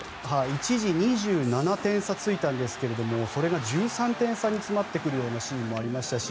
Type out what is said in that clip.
一時２７点差ついたんですがそれが１３点差に詰まってくるようなシーンもありましたし